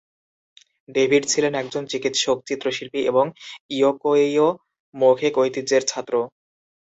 David ছিলেন একজন চিকিৎসক, চিত্রশিল্পী এবং ইরোকোয়ীয় মৌখিক ঐতিহ্যের ছাত্র।